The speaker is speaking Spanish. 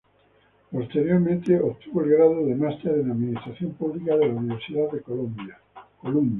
Posteriormente, obtuvo el grado de Máster en Administración Pública de la Universidad de Columbia.